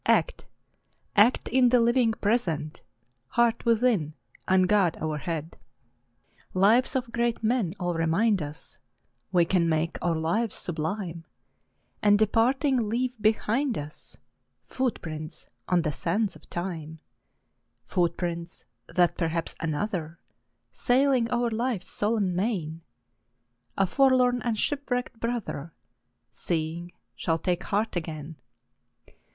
Act, — act in the living Present ! Heart within, and God o'erhead ! A PSALM OF LIFE. Lives of great men all remind us We can make our lives sublime, And, departing, leave behind us Footsteps on the sands of time ; Footsteps, that perhaps another, Sailing o'er life's solemn main, A forlorn and shipwrecked brother, Seeing, shall take heart again.